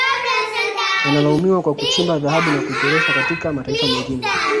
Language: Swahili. Yanalaumiwa kwa kuchimba dhahabu na kuitoroshea katika mataifa mengine